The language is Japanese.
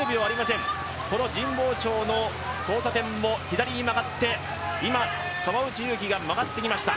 この神保町の交差点を左に曲がって、川内優輝が曲がってきました。